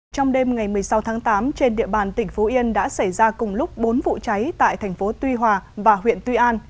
trong đêm ngày một mươi sáu tháng tám trên địa bàn tỉnh phú yên đã xảy ra cùng lúc bốn vụ cháy tại thành phố tuy hòa và huyện tuy an